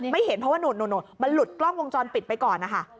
เห็นเพราะว่านู่นมันหลุดกล้องวงจรปิดไปก่อนนะคะ